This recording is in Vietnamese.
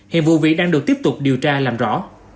hiện vụ việc đang được tiếp tục điều tra làm rõ